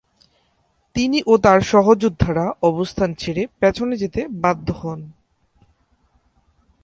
তিনি ও তার সহযোদ্ধারা অবস্থান ছেড়ে পেছনে যেতে বাধ্য হন।